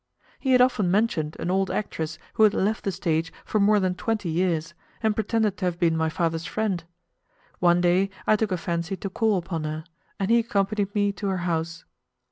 He had often mentioned an old actress who had left the stage for more than twenty years, and pretended to have been my father's friend. One day I took a fancy to call upon her, and he accompanied me to her house.